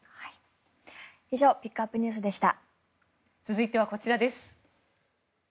以上ピックアップＮＥＷＳでした。